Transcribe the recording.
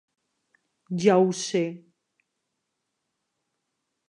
Ja ho sé.